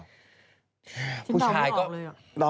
คือรอไม่ออกเลยอะ